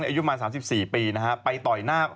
อายุมา๓๔ปีนะฮะไปต่อยหน้า